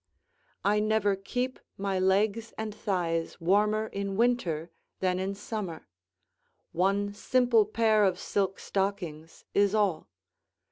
I never keep my legs and thighs warmer in winter than in summer; one simple pair of silk stockings is all.